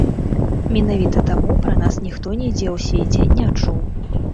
Менавіта таму пра нас ніхто нідзе ў свеце не чуў.